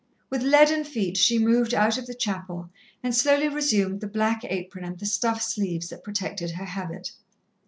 With leaden feet, she moved out of the chapel and slowly resumed the black apron and the stuff sleeves that protected her habit.